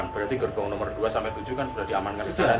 tujuh puluh delapan berarti gerbang nomor dua sampai tujuh kan sudah diamankan